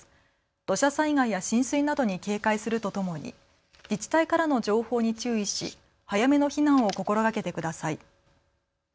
土砂災害や浸水などに警戒するとともに自治体からの情報に注意し早めの避難を心がけてください。